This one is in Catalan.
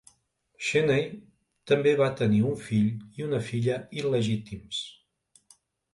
Cheney també va tenir un fill i una filla il·legítims.